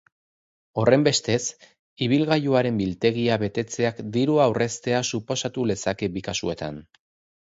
Horrenbestez, ibilgailuaren biltegia betetzeak dirua aurreztea suposatu lezake bi kasuetan.